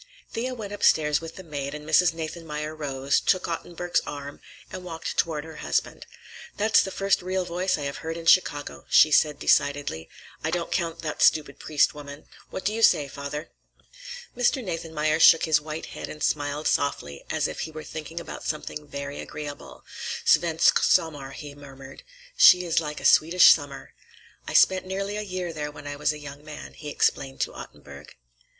Thea went upstairs with the maid and Mrs. Nathanmeyer rose, took Ottenburg's arm, and walked toward her husband. "That's the first real voice I have heard in Chicago," she said decidedly. "I don't count that stupid Priest woman. What do you say, father?" Mr. Nathanmeyer shook his white head and smiled softly, as if he were thinking about something very agreeable. "Svensk sommar," he murmured. "She is like a Swedish summer. I spent nearly a year there when I was a young man," he explained to Ottenburg.